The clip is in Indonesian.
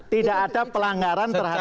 tidak ada pelanggaran terhadap